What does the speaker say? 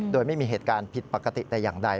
โดยไม่มีเหตุการณ์ผิดปกติแต่อย่างใด